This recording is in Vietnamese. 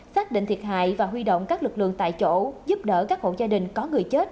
xác định thiệt hại và huy động các lực lượng tại chỗ giúp đỡ các hộ gia đình có người chết